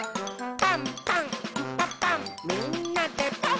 「パンパンんパパンみんなでパン！」